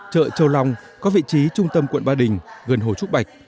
chợ châu long có vị trí trung tâm quận ba đình gần hồ trúc bạch